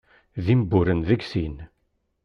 D imburen deg sin.